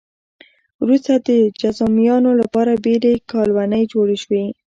وروسته د جذامیانو لپاره بېلې کالونۍ جوړې شوې.